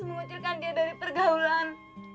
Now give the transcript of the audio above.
memucilkan dia dari pergaulan